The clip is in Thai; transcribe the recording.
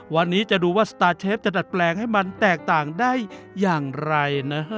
วันนี้จะดูว่าสตาร์เชฟจะดัดแปลงให้มันแตกต่างได้อย่างไรนะฮะ